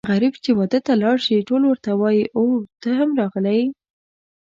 غريب چې واده ته لاړ شي ټول ورته وايي اووی ته هم راغلی یې.